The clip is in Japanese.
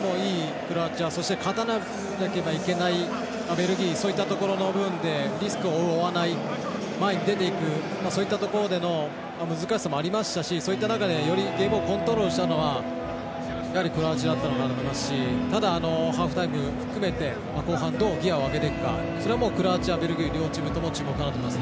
ベルギーそういったところの部分でリスクを負う、負わない前に出ていくそういったところでの難しさもありましたしそういった中でよりゲームをコントロールしたのはやはりクロアチアだったのかなと思いますしただ、ハーフタイム含めて後半、どうギアを上げていくかそれはクロアチア、ベルギー両チームとも注目かなと思います。